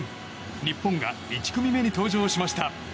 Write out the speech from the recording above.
日本が１組目に登場しました。